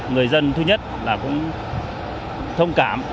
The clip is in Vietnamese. người dân thứ nhất là cũng thông cảm